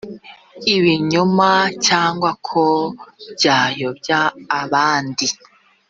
ibinyoma cyangwa ko byayobya abandi